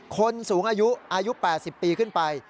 คนสูงอายุอายุ๘๐ปีขึ้นไป